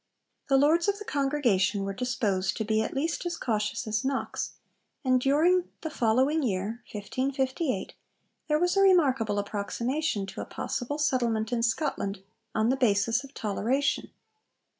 The Lords of the Congregation were disposed to be at least as cautious as Knox, and during the following year, 1558, there was a remarkable approximation to a possible settlement in Scotland on the basis of toleration.